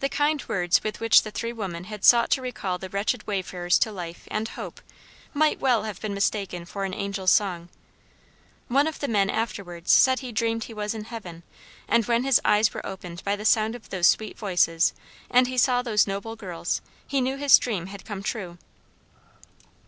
The kind words with which the three women had sought to recall the wretched wayfarers to life and hope might well have been mistaken for an angel's song. One of the men afterwards said he dreamed he was in heaven, and when his eyes were opened by the sound of those sweet voices, and he saw those noble girls, he knew his dream had come true.